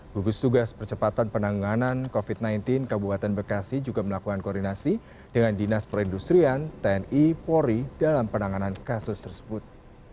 gugus tugas percepatan penanganan covid sembilan belas kabupaten bekasi juga melakukan koordinasi dengan dinas perindustrian tni polri dalam penanganan kasus tersebut